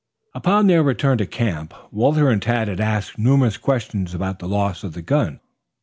Upon their return to camp, Walter and Tad had asked numerous questions about the loss of the gun.